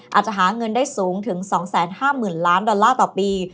อาจจะหาเงินได้สูงถึง๒๕๐๐๐ล้านดอลลาร์ต่อปี